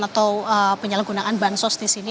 atau penyalahgunaan bansos disini